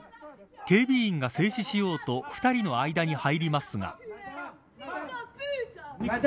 警備員が制止しようと２人の間に入りますが。